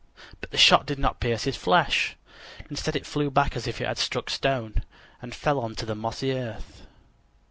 But the shot did not pierce his flesh; instead it flew back as if it had struck stone, and fell on the mossy earth.